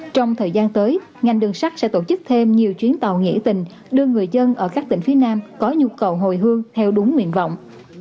trong thời gian tới ngành đường sắt sẽ tổ chức thêm nhiều chuyến tàu nghỉ tình đưa người dân ở các tỉnh phía nam có nhu cầu hồi hương theo đúng nguyện vọng